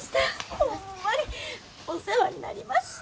ホンマにお世話になりました。